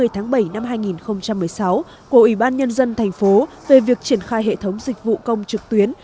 hai mươi tháng bảy năm hai nghìn một mươi sáu của ủy ban nhân dân thành phố về việc triển khai hệ thống dịch vụ công trực tuyến